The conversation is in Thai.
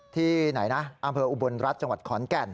ที่ไหนนะอำเภออุบลรัฐจังหวัดขอนแก่น